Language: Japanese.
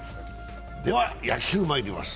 では野球、まいります。